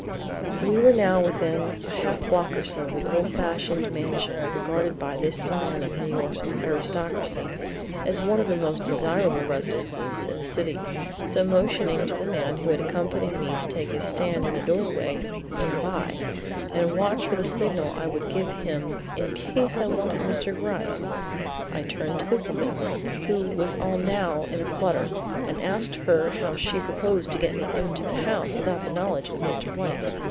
We were now within a half block or so of the old fashioned mansion regarded by this scion of New York's aristocracy as one of the most desirable residences in the city; so motioning to the man who had accompanied me to take his stand in a doorway near by and watch for the signal I would give him in case I wanted Mr. Gryce, I turned to the woman, who was now all in a flutter, and asked her how she proposed to get me into the house without the knowledge of Mr. Blake.